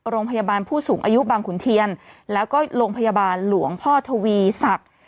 โรงพยาบาลผู้สูงอายุบางขุนเทียนแล้วก็โรงพยาบาลหลวงพ่อทวีศักดิ์